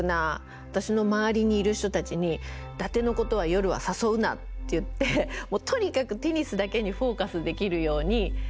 私の周りにいる人たちに「伊達のことは夜は誘うな」って言ってとにかくテニスだけにフォーカスできるように。